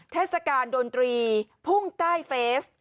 เทศกาลดนตรีพุ่งใต้เฟส